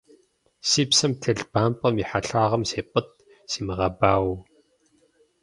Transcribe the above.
Си псэм телъ бампӏэм и хьэлъагъым сепӀытӀ, симыгъэбауэу.